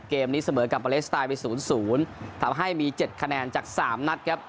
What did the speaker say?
เกมนี้เสมอกับปาเลสไตล์ไปศูนย์ศูนย์ทำให้มีเจ็ดคะแนนจากสามนัดครับ